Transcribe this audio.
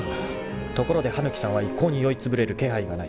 ［ところで羽貫さんは一向に酔いつぶれる気配がない］